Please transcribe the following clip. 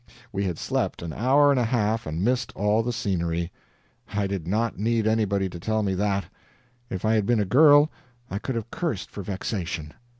We had slept an hour and a half and missed all the scenery! I did not need anybody to tell me that. If I had been a girl, I could have cursed for vexation.